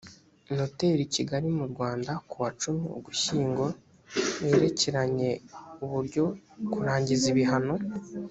noteri i kigali mu rwanda kuwa cumi ugushyingo yerekeranye uburyo kurangiza ibihano